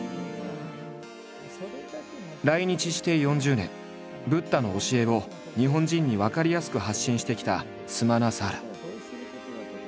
来日して４０年ブッダの教えを日本人に分かりやすく発信してきたスマナサーラ。